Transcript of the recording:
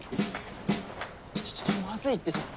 ちょちょっまずいってちょっ。